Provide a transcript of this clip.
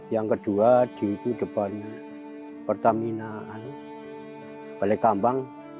yang kedua di itu depan pertaminaan balekambang